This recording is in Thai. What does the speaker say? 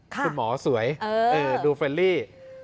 คุณหมอสวยดูเฟรลี่